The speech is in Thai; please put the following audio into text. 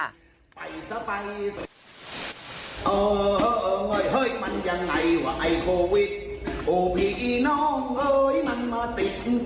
อ่า